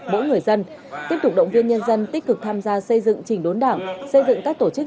mỗi người dân tiếp tục động viên nhân dân tích cực tham gia xây dựng trình đốn đảng xây dựng các tổ chức